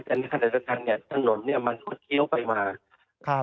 แต่ในขณะต่างถนนมันควดเคี้ยวไปมา